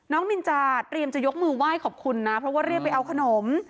นินจาเตรียมจะยกมือไหว้ขอบคุณนะเพราะว่าเรียกไปเอาขนม